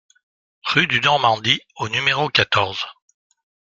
Rue du Normandie au numéro quatorze